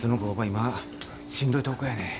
今しんどいとこやねん。